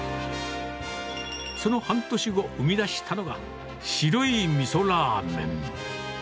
その半年後、生み出したのが、白いみそらーめん。